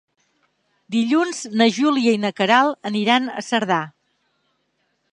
Dilluns na Júlia i na Queralt aniran a Cerdà.